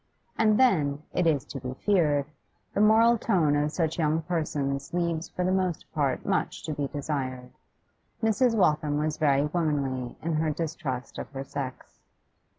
And then, it is to be feared, the moral tone of such young persons leaves for the most part much to be desired. Mrs. Waltham was very womanly in her distrust of her sex.